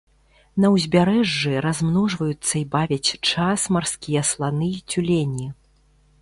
На ўзбярэжжы размножваюцца і бавяць час марскія сланы і цюлені.